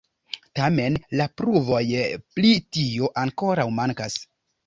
Tamen, la pruvoj pri tio ankoraŭ mankas.